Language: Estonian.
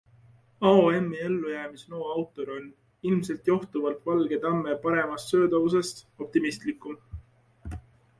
AoM'i ellujäämisloo autor on - ilmselt johtuvalt valge tamme paremast söödavusest - optimistlikum.